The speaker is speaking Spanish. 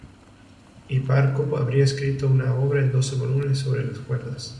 Hiparco habría escrito una obra en doce volúmenes sobre las cuerdas.